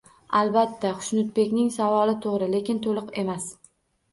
Albatta, Xushnudbekning savoli to'g'ri, lekin to'liq emas